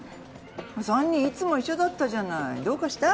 ３人いつも一緒だったじゃないどうかした？